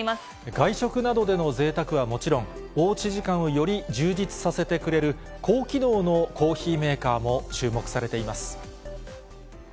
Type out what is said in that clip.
外食などでのぜいたくはもちろん、おうち時間をより充実させてくれる、高機能のコーヒーメーカーも注目されています。